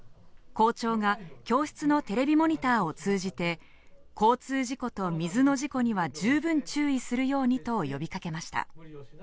校長が教室のテレビモニターを通じて、交通事故と水の事故には十分注意するようにと呼びかけました。